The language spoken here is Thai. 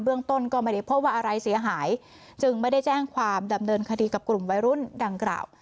เรื่องต้นก็ไม่ได้พบว่าอะไรเสียหายจึงไม่ได้แจ้งความดำเนินคดีกับกลุ่มวัยรุ่นดังกล่าว